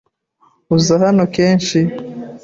Uza hano kenshi?